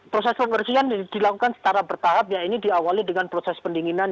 proses pembersihan dilakukan secara bertahap ya ini diawali dengan proses pendinginan